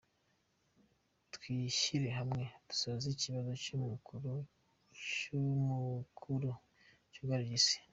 Twishyire hamwe dusoze icyibazo nyamukuru cyugarije isi.